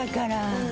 うん。